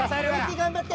頑張って！